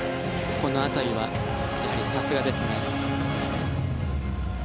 この辺りはやはりさすがですね。